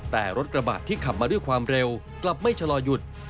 แต่รถกระบะที่ขับมาด้วยความเร็วกลับไม่ชะลอหยุด